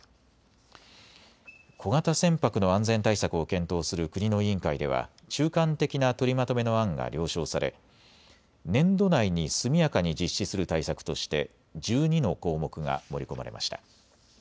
小型船舶の安全対策を検討する国の委員会では中間的な取りまとめの案が了承され年度内に速やかに実施する対策として１２の項目が盛り込まれました。